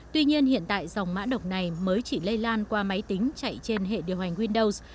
tuy nhiên hiện tại dòng mã độc này mới chỉ lây lan qua máy tính chạy trên hệ điều hành windows